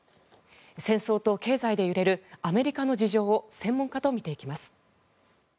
戦争と経済で揺れるアメリカの事情を専門家と見ていきます。